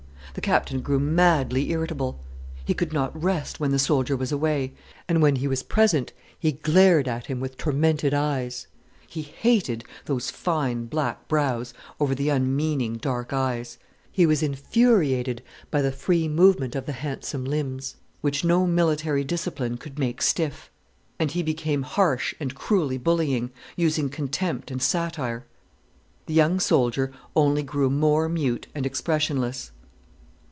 The Captain grew madly irritable. He could not rest when the soldier was away, and when he was present, he glared at him with tormented eyes. He hated those fine, black brows over the unmeaning, dark eyes, he was infuriated by the free movement of the handsome limbs, which no military discipline could make stiff. And he became harsh and cruelly bullying, using contempt and satire. The young soldier only grew more mute and expressionless.